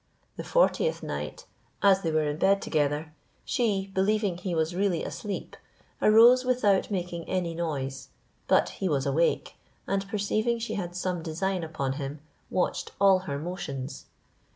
The fortieth night, as they were in bed together, she, believing he was really asleep, arose without making any noise; but he was awake, and perceiving she had some design upon him watched all her motions.